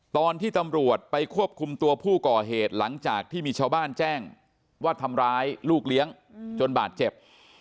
ตอนที่ตำรวจไปควบคุมตัวผู้ก่อเหตุหลังจากที่มีชาวบ้านแจ้งว่าทำร้ายลูกเลี้ยงจนบาดเจ็บ